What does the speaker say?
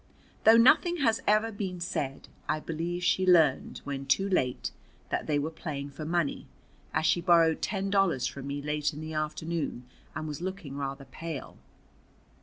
Though nothing has ever been said, I believe she learned when too late that they were playing for money, as she borrowed ten dollars from me late in the afternoon and was looking rather pale.